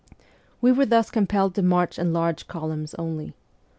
We were thus com pelled to march in large columns only.